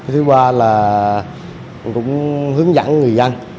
thứ ba là hướng dẫn người dân